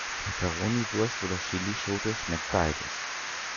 Peperoniwurst oder Chillischote schmeckt beides.